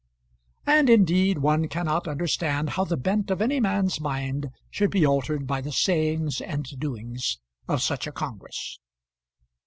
And indeed one cannot understand how the bent of any man's mind should be altered by the sayings and doings of such a congress.